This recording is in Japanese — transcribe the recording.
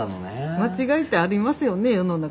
間違いってありますよね世の中。